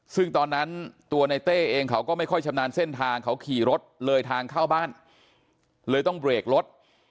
ซึ่งตอนนั้นตัวในเต้เองเขาก็ไม่ค่อยชำนาญเส้นทางเขาขี่รถเลยทางเข้าบ้านเลยต้องเบรกรถ